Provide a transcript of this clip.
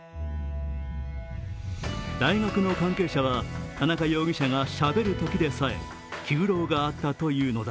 大学の関係者は田中容疑者がしゃべるときでさえ気苦労があったというのだ。